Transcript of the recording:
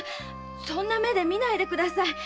そんな目で見ないでください。